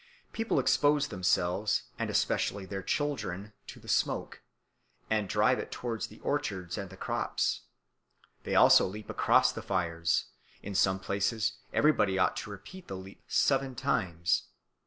People expose themselves, and especially their children, to the smoke, and drive it towards the orchards and the crops. Also they leap across the fires; in some places everybody ought to repeat the leap seven times.